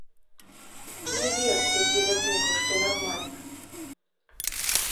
Не верце, дзеля бога, што нармальна.